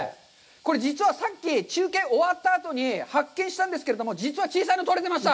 これ、実はさっき、中継終わったあとに発見したんですけれども、実は小さいの取れてました！